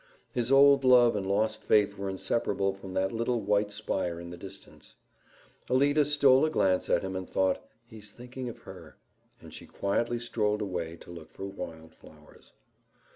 His old love and lost faith were inseparable from that little white spire in the distance. Alida stole a glance at him and thought, "He's thinking of her," and she quietly strolled away to look for wild flowers.